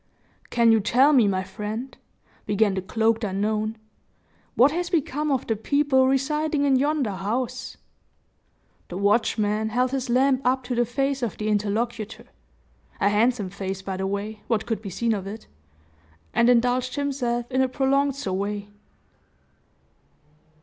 "Can you tell me, my friend," began the cloaked unknown, "what has become of the people residing in yonder house?" The watchman, held his lamp up to the face of the interlocutor a handsome face by the way, what could be seen of it and indulged himself in a prolonged survey.